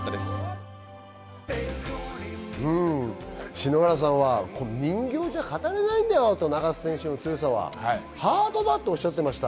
篠原さんは、人形じゃ語れないんだよと、永瀬選手の強さは。ハートだとおっしゃっていました。